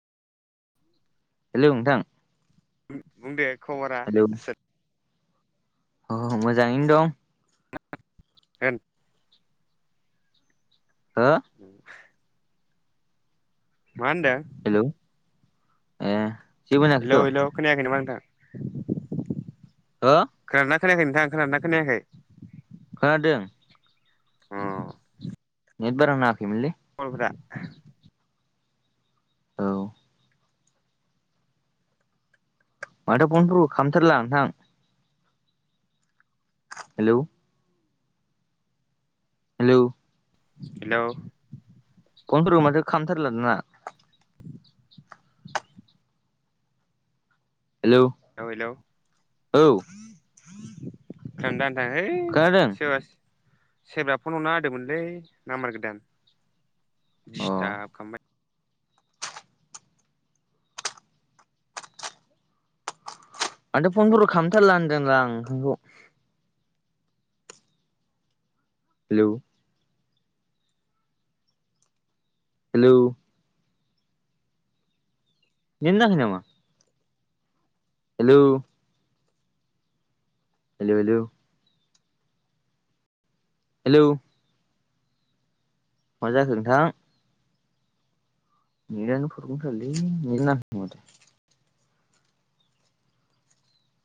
Hello नोंथां बुं दे खबरा हेलौ अ मोजाङैनो दं [unintelligible] हो उम मा होनदों हेलौ ए जेबो होनाखैथ' हेलौ हेलौ खोनयाखै नामा नोंथां हो खोनादोंना खोनायाखै नोंथां खोनादोंना खोनायाखै खोनादों उम। नेद बारा नांङाखैमोन‌लै। बरफ्रा। औ। माथो फनथु खालामथारलाां नोंथां। हेलौ। हेलौ। हेलौ। फन फोरबो माथो खाम थारला दाना। हेलौ लौ हेलौ औ फ्लानदान। ए है खोनादों सेबास सेरब्रा फन हरना होदोंमोनलै नाम्बार गोदान। अ दिस्थाब खामबा मथो फनफोरबो खालामथारला होनदों आं नोंगौ। हेलौ। हेलौ। नेद नांङाखै नामा? हेलौ। Hello hello. हेलौ। मा जाखो नोथा। नेदानो फबेजम थारलै नेद नांङाखै खोमा।